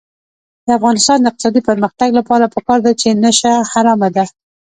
د افغانستان د اقتصادي پرمختګ لپاره پکار ده چې نشه حرامه ده.